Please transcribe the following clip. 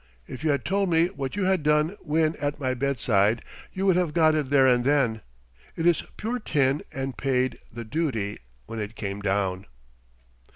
If you had told me what you had done when at my bedside you would have got it there and then. It is pure tin and paid "the duty" when it came down.